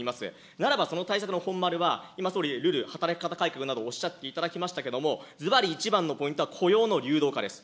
ならばその対策の本丸は、今、総理、るる働き方改革などおっしゃっていましたけれども、ずばり一番のポイントは雇用の流動化です。